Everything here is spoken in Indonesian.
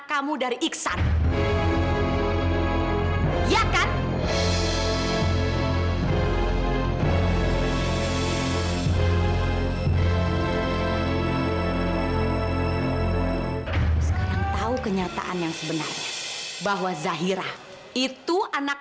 kamu itu ternyata anak iksan